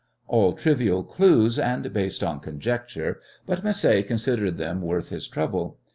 All trivial clues, and based on conjecture, but Macé considered them worth his trouble.